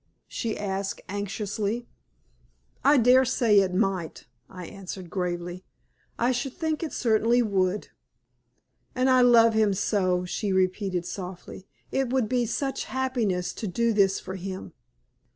she asked, anxiously. "I daresay it might," I answered, gravely. "I should think it certainly would." "And I love him so," she repeated, softly. "It would be such happiness to do this for him.